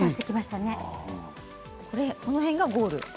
この辺がゴール？